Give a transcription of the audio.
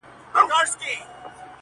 ته وا نه يې له ابليس څخه زوولى -